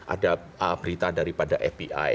ada berita dari fbi